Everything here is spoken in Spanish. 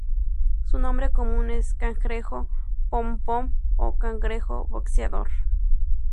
Su nombre común es cangrejo pom pom o cangrejo boxeador.